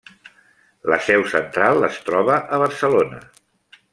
La seu central es troba a Barcelona.